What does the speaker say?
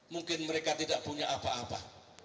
mungkin mereka tidak punya apa apa